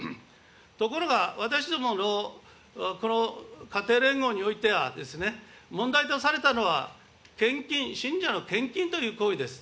ところが、私どものこの家庭連合においては、問題とされたのは献金、信者の献金という行為です。